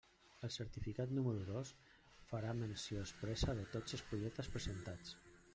El certificat número dos farà menció expressa de tots els projectes presentats.